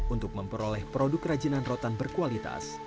untuk memperoleh produk kerajinan rotan berkualitas